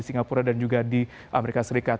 singapura dan juga di amerika serikat